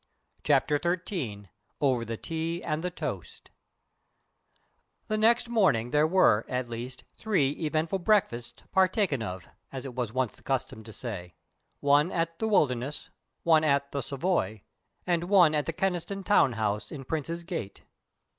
CHAPTER XIII OVER THE TEA AND THE TOAST The next morning there were, at least, three eventful breakfasts "partaken of," as it was once the fashion to say; one at "The Wilderness," one at the Savoy, and one at the Kyneston town house in Prince's Gate.